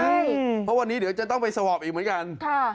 เพราะวันนี้เดี๋ยวจะต้องไปสอบอีกเหมือนกัน